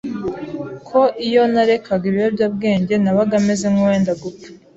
ko iyo narekaga ibiyobyabwenge nabaga meze nkuwenda gupfa